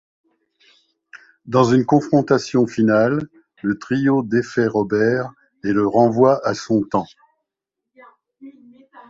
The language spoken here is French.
Dans une confrontation finale, le trio défait Robert et le renvoie à son temps.